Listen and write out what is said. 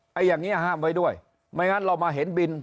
อย่างนี้ห้ามไว้ด้วยไม่งั้นเรามาเห็นบิน